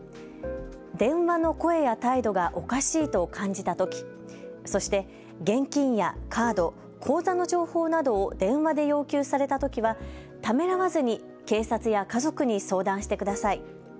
電話の声や態度がおかしいと感じたとき、そして現金やカード、口座の情報などを電話で要求されたときは、ためらわずに警察や家族に相談してください。